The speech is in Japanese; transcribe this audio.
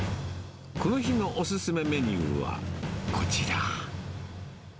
この日のお勧めメニューはこちら。